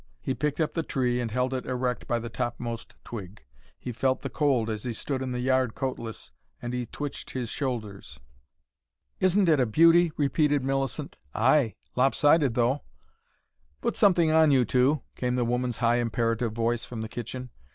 He picked up the tree, and held it erect by the topmost twig. He felt the cold as he stood in the yard coatless, and he twitched his shoulders. "Isn't it a beauty!" repeated Millicent. "Ay! lop sided though." "Put something on, you two!" came the woman's high imperative voice, from the kitchen.